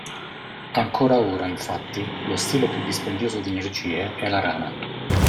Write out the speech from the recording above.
Ancora ora, infatti, lo stile più dispendioso di energie è la rana.